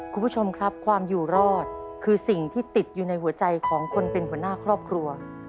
คุณผู้ชมครับความอยู่รอดคือสิ่งที่ติดอยู่ในหัวใจของคนเป็นหัวหน้าครอบครัว